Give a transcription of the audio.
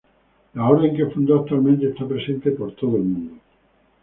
La orden que fundó actualmente está presente en todo el mundo.